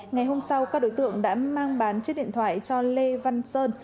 ngày hôm sau các đối tượng đã mang bán chiếc điện thoại cho lê văn sơn